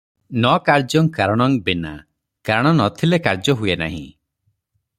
'ନ କାର୍ଯ୍ୟଂ କାରଣଂ ବିନା' କାରଣ ନ ଥିଲେ କାର୍ଯ୍ୟ ହୁଏ ନାହିଁ ।